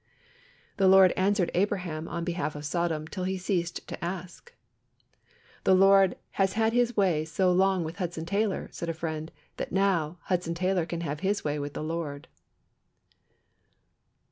The Lord answered Abraham on behalf of Sodom till he ceased to ask. "The Lord has had His way so long with Hudson Taylor," said a friend, "that now, Hudson Taylor can have his way with the Lord."